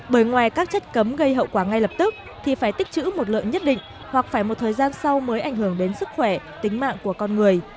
bởi ngoài các chất cấm gây hậu quả ngay lập tức thì phải tích chữ một lượng nhất định hoặc phải một thời gian sau mới ảnh hưởng đến sức khỏe tính mạng của con người